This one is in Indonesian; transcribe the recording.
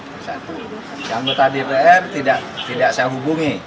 yang satu anggota dpr tidak saya hubungi